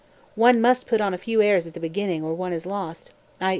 One must put on a few airs at the beginning or one is lost, i.